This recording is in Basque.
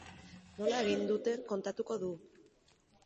Nola egin duten kontatuko du.